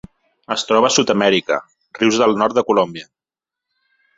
Es troba a Sud-amèrica: rius del nord de Colòmbia.